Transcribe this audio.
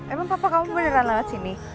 emang papa kamu beneran lewat sini